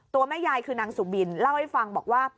แม่ยายคือนางสุบินเล่าให้ฟังบอกว่า